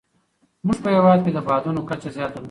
زموږ په هېواد کې د بادونو کچه زیاته ده.